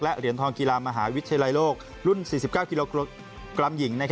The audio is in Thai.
เหรียญทองกีฬามหาวิทยาลัยโลกรุ่น๔๙กิโลกรัมหญิง